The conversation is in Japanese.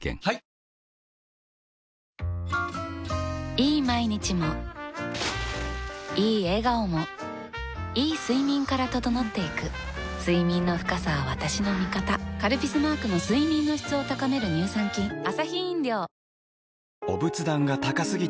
いい毎日もいい笑顔もいい睡眠から整っていく睡眠の深さは私の味方「カルピス」マークの睡眠の質を高める乳酸菌あ